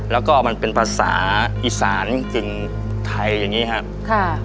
แล้วก็มันเป็นภาษาอีสานจริงไทยอย่างนี้ครับ